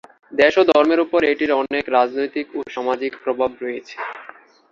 দেশ ও ধর্মের উপর এটির অনেক রাজনৈতিক ও সামাজিক প্রভাব রয়েছে।